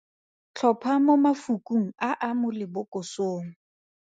Tlhopha mo mafokong a a mo lebokosong.